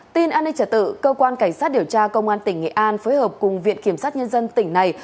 tin an ninh trả tự cơ quan cảnh sát điều tra công an tỉnh nghệ an phối hợp cùng viện kiểm sát nhân dân tỉnh này